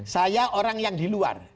saya orang yang di luar